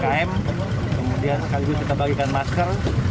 kemudian sekaligus kita bagikan masker